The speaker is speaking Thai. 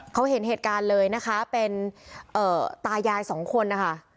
เขาเห็นเหตุการณ์เลยนะคะเป็นตายายสองคนนะคะ